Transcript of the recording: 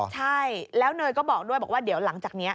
ใช่แล้วเนยก็บอกด้วยบอกว่าเดี๋ยวหลังจากนี้